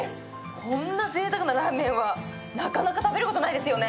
こんなぜいたくなラーメンはなかなか食べることないですよね。